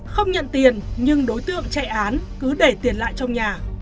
không nhận tiền nhưng đối tượng chạy án cứ để tiền lại trong nhà